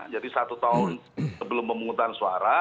jadi satu tahun sebelum pemungutan suara